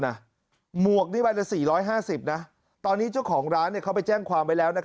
หมวกนี่วันละ๔๕๐นะตอนนี้เจ้าของร้านเขาไปแจ้งความไว้แล้ว